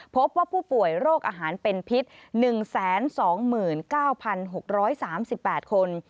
พบว่าผู้ป่วยโรคอาหารเป็นพิษ๑๒๙๖๓๘คน